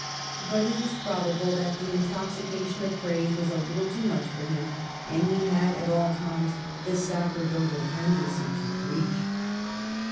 But it is probable that the intox ication of praise was a little too much for him ; and he had at all times the sacerdotal tendency to preach.